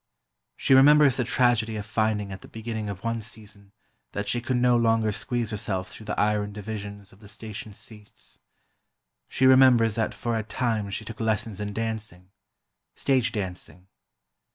She remembers the tragedy of finding at the beginning of one season that she could no longer squeeze herself through the iron divisions of the station seats. She remembers that for a time she took lessons in dancing—stage dancing.